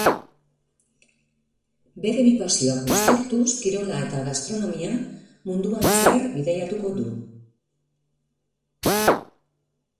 Bere bi pasioak uztartuz, kirola eta gastronomia, munduan zehar bidaiatuko du.